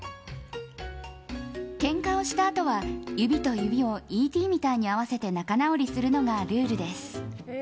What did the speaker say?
けんかをしたあとは指と指を「Ｅ．Ｔ．」みたいに合わせて仲直りするのがルールです。